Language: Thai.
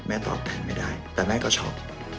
ตอบแทนไม่ได้แต่แม่ก็ช็อก